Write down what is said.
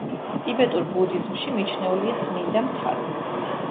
ტიბეტურ ბუდიზმში მიჩნეულია წმინდა მთად.